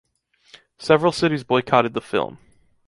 Several cities boycotted the film.